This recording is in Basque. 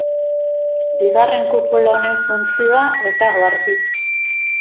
Bigarren kupula honen funtzioa ez dago argi.